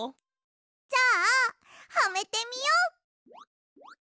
じゃあはめてみよ。